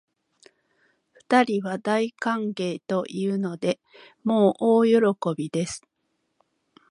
二人は大歓迎というので、もう大喜びです